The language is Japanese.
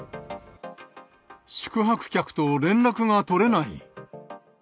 宿泊客と連絡が取れない。